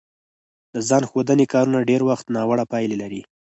د ځان ښودنې کارونه ډېری وخت ناوړه پایله لري